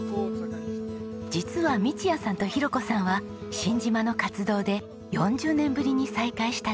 実は道也さんとひろ子さんは新島の活動で４０年ぶりに再会した同級生。